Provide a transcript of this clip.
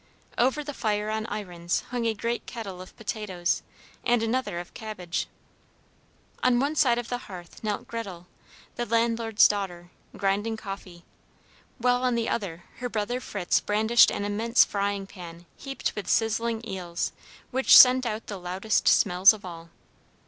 Over the fire on iron hooks hung a great kettle of potatoes and another of cabbage. On one side of the hearth knelt Gretel, the landlord's daughter, grinding coffee, while on the other her brother Fritz brandished an immense frying pan heaped with sizzling eels, which sent out the loudest smells of all.